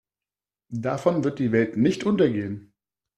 Davon wird die Welt nicht untergehen.